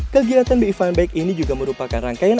kegiatan bi fine bike ini juga merupakan rangkaian